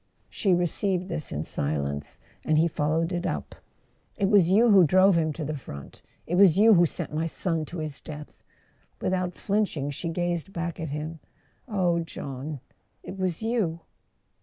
She received this in silence, and he followed it up. "It was you who drove him to the front—it was you who sent my son to his death! " Without flinching, she gazed back at him. "Oh, John—it was you